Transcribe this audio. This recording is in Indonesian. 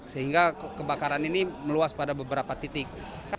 sehingga kebakaran ini meluas pada beberapa titik